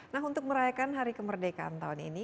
nah untuk merayakan hari kemerdekaan tahun ini